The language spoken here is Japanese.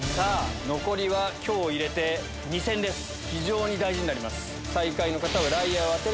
残りは今日入れて２戦です非常に大事になります。